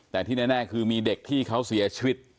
แต่ที่แน่คือมีเด็กที่เขาเสียชีวิต